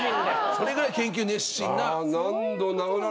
それぐらい研究熱心な。